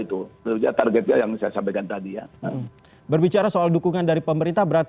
itu targetnya yang saya sampaikan tadi ya berbicara soal dukungan dari pemerintah berat